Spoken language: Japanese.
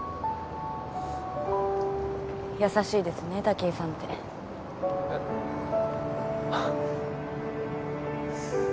優しいですね武居さんって。えっ？あっ。